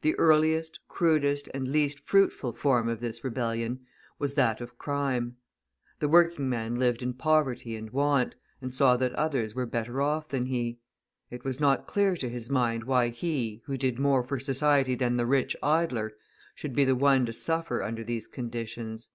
The earliest, crudest, and least fruitful form of this rebellion was that of crime. The working man lived in poverty and want, and saw that others were better off than he. It was not clear to his mind why he, who did more for society than the rich idler, should be the one to suffer under these conditions.